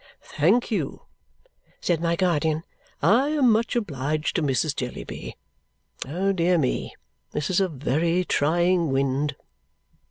"Thank you," said my guardian. "I am much obliged to Mrs. Jellyby. Oh, dear me! This is a very trying wind!"